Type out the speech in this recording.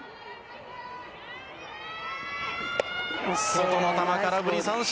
外の球、空振り三振。